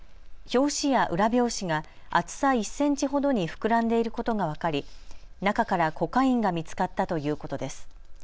表紙が厚さ１センチほどに膨らんでいることが分かり中からコカインが見つかったということです。